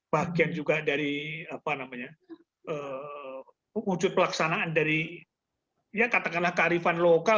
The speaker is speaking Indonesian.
bagian juga dari wujud pelaksanaan dari ya katakanlah kearifan lokal